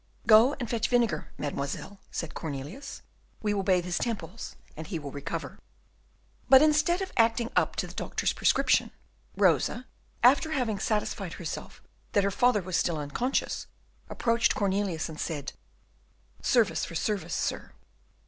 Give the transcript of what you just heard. "Go and fetch vinegar, mademoiselle," said Cornelius; "we will bathe his temples, and he will recover." But, instead of acting up to the doctor's prescription, Rosa, after having satisfied herself that her father was still unconscious, approached Cornelius and said, "Service for service, sir."